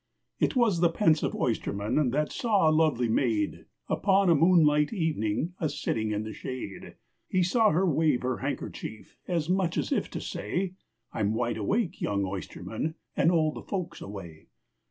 It was the pensive oysterman that saw a lovely maid, Upon a moonlight evening, a sitting in the shade; He saw her wave her handkerchief, as much as if to say, "I 'm wide awake, young oysterman, and all the folks away."